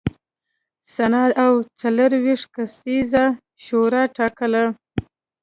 سنا او څلوېښت کسیزه شورا ټاکله